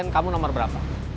kamu nomor berapa